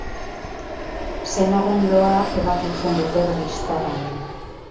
Senarren loa ebakitzen dute bristadan.